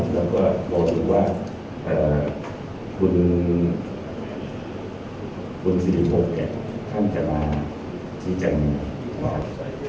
แล้วก็บอกทุกคนว่าคุณคุณสิริโภคเนี่ยท่านจะมาที่จังหวัด